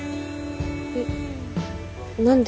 えっ何で。